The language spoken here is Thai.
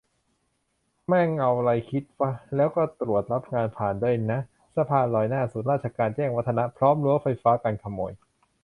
แม่งเอาไรคิดวะ แล้วก็ตรวจรับงานผ่านด้วยนะ สะพานลอยหน้าศูนย์ราชการ แจ้งวัฒนะ พร้อมรั้วไฟฟ้ากันขโมย